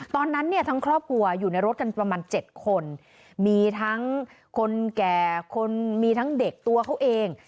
ตอนนั้นเนี่ยทั้งครอบครัวอยู่ในรถกันประมาณ๗คนมีทั้งคนแก่คนมีทั้งเด็กตัวเขาเอง